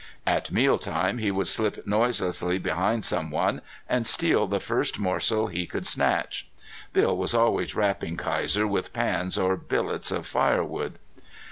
At meal time he would slip noiselessly behind some one and steal the first morsel he could snatch. Bill was always rapping Kaiser with pans or billets of firewood.